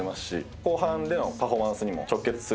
後半でのパフォーマンスにも直結する。